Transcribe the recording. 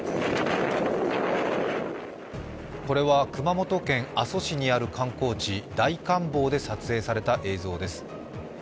これは熊本県阿蘇市にある観光地・大観峰で撮影された映像です。